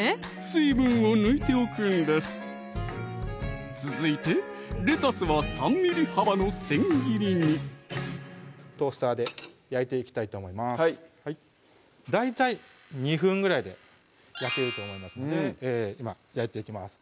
水分を抜いておくんです続いてレタスは３ｍｍ幅の千切りにトースターで焼いていきたいと思います大体２分ぐらいで焼けると思いますので焼いていきます